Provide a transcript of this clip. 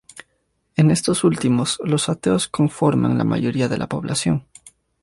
En estos últimos, los ateos conforman la mayoría de la población.